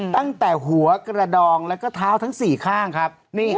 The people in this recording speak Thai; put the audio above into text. ตั้งแต่หัวกระดองแล้วก็เท้าทั้ง๔ข้างครับ